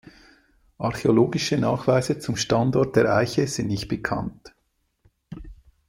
Archäologische Nachweise zum Standort der Eiche sind nicht bekannt.